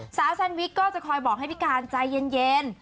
แซนวิกก็จะคอยบอกให้พี่การใจเย็น